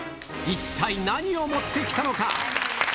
一体何を持ってきたのか。